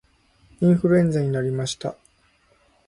インフルエンザになりました